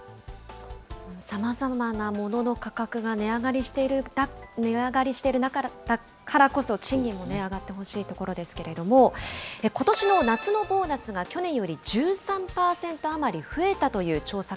さまざまなものの価格が値上がりしている中だからこそ、賃金もね、上がってほしいところですけれども、ことしの夏のボーナスが去年より１３％余り増えたという調査